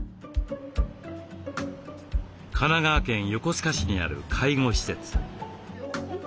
神奈川県横須賀市にある介護施設。